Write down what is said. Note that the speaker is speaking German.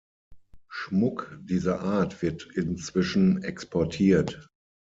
Schmuck dieser Art wird inzwischen exportiert.